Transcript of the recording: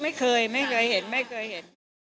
ไม่เคยไม่เคยเห็นไม่เคยเห็น